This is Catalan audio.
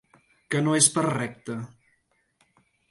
Que no és pas recte.